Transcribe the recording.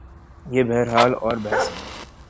یہ بہرحال اور بحث ہے۔